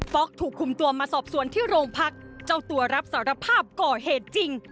๊อกถูกคุมตัวมาสอบสวนที่โรงพักเจ้าตัวรับสารภาพก่อเหตุจริง